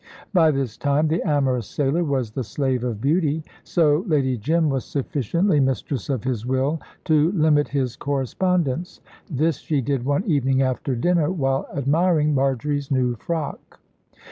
By this time the amorous sailor was the slave of beauty, so Lady Jim was sufficiently mistress of his will to limit his correspondence. This she did one evening after dinner, while admiring Marjory's new frock.